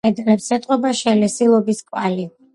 კედლებს ეტყობა შელესილობის კვალი.